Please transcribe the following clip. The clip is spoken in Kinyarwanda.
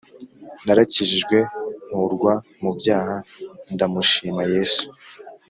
Narakijijwe nkurwa mubyaha ndamushima Yesu